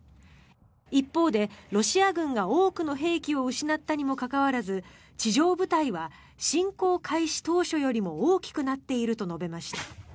一方でロシア軍が多くの兵器を失ったにもかかわらず地上部隊は侵攻開始当初よりも大きくなっていると述べました。